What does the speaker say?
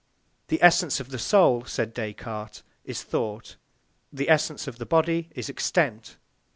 The essence of the soul, said Descartes, is thought; the essence of the body is extent.